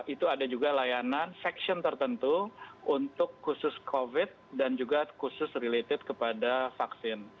itu ada juga layanan seksion tertentu untuk khusus covid dan juga khusus related kepada vaksin